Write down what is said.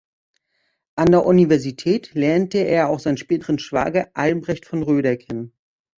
An der Universität lernte er auch seinen späteren Schwager Albrecht von Roeder kennen.